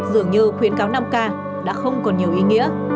dường như khuyến cáo năm k đã không còn nhiều ý nghĩa